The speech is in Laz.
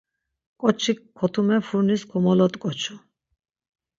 Ǩoçik kotume furnis komolot̆ǩoçu.